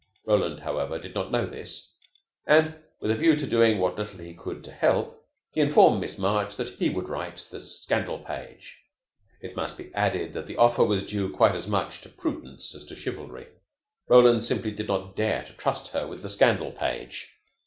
Roland, however, did not know this, and with a view to doing what little he could to help, he informed Miss March that he would write the Scandal Page. It must be added that the offer was due quite as much to prudence as to chivalry. Roland simply did not dare to trust her with the Scandal Page.